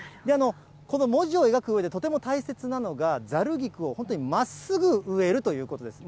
この文字を描くうえで、とても大切なのが、ざる菊を本当にまっすぐ植えるということです。